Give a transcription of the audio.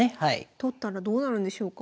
取ったらどうなるんでしょうか？